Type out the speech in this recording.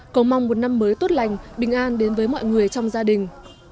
cầu mong một năm mới tốt lành bình an đến với mọi người trong gia đình